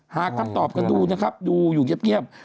หากครับตอบกันดูอยู่เงียบ